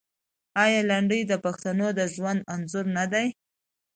آیا لنډۍ د پښتنو د ژوند انځور نه دی؟